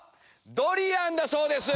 ドリアンだそうです。